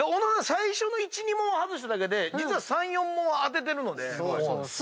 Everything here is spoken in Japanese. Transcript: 最初の１２問を外しただけで実は３４問は当ててるので。